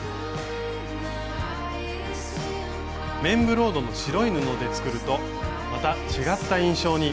綿ブロードの白い布で作るとまた違った印象に。